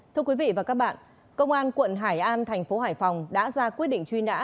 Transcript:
thưa quý vị và các bạn công an quận hải an thành phố hải phòng đã ra quyết định truy nã